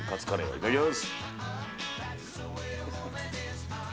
いただきます。